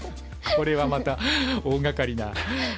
これはまた大がかりな。